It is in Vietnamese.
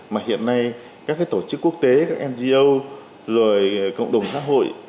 mà hiện nay các tổ chức quốc tế ngo cộng đồng xã hội